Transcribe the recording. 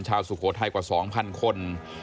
ชาวสุโขทัยกว่าสองพันคน